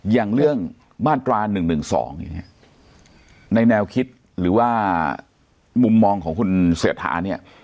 อย่างเรื่องมาตรา๑๑๒ในแนวคิดหรือว่ามุมมองของคุณเศรษฐาเนี่ย